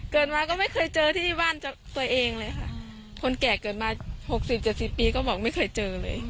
เกิดมาก็ไม่เคยเจอที่บ้านตัวเองเลยค่ะคนแก่เกิดมา๖๐๗๐ปีก็บอกไม่เคยเจอเลย